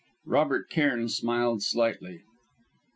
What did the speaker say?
Robert Cairn smiled slightly.